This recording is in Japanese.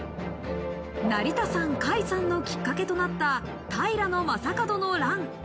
成田山開山のきっかけとなった平将門の乱。